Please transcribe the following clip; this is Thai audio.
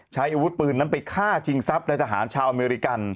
ใช้อาวุธปืนนั้นไปฆ่าชิงทรัพย์ในทหารชาวอเมริกัน